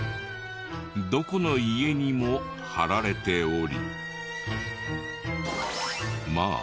どこの家にも貼られており。